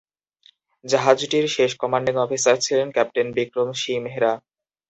জাহাজটির শেষ commanding officer ছিলেন captain Vikram C Mehra.